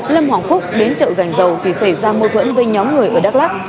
lâm hoàng phúc đến chợ gành dầu thì xảy ra mâu thuẫn với nhóm người ở đắk lắc